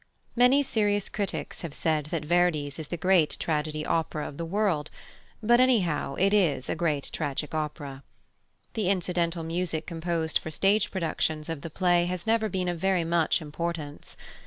Many serious critics have said that Verdi's is the great tragedy opera of the world, but, anyhow, it is a great tragic opera. The incidental music composed for stage productions of the play has never been of very much importance.